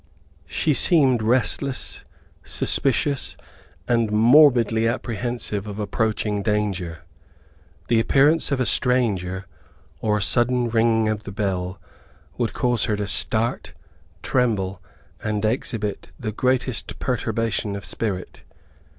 She seemed restless, suspicious, and morbidly apprehensive of approaching danger. The appearance of a stranger, or a sudden ringing of the bell, would cause her to start, tremble, and exhibit the greatest perturbation of spirit.